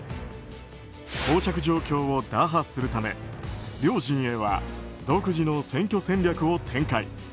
膠着状況を打破するため両陣営は、独自の選挙戦略を展開。